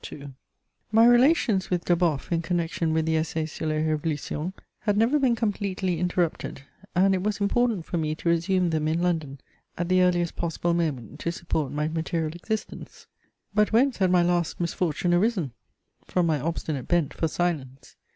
* My relations with Deboffe in connection with the Essai sur les révolutions had never been completely interrupted, and it was important for me to resume them in London at the earliest possible moment to support my material existence. But whence had my last misfortune arisen? From my obstinate bent for silence.